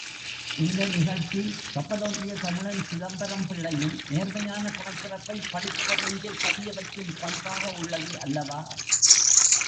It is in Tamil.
இந்த நிகழ்ச்சி கப்பலோட்டிய தமிழன் சிதம்பரம் பிள்ளையின் நேர்மையான குணச்சிறப்பை படிப்பவர் நெஞ்சில் பதியவைக்கும் பண்பாக உள்ளது அல்லவா?